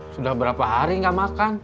sudah berapa hari nggak makan